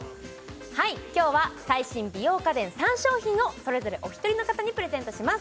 はい今日は最新美容家電３商品をそれぞれお一人の方にプレゼントします